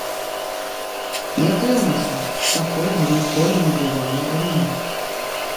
Я клянуся, такога ніколі не бывала раней.